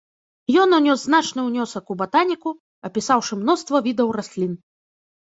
Ён унёс значны ўнёсак у батаніку, апісаўшы мноства відаў раслін.